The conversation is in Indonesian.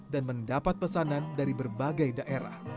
mendapat pesanan dari berbagai daerah